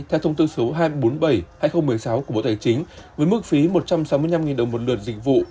theo thông tư số hai trăm bốn mươi bảy hai nghìn một mươi sáu của bộ tài chính với mức phí một trăm sáu mươi năm đồng một lượt dịch vụ